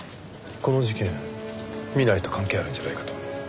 この事件南井と関係あるんじゃないかと。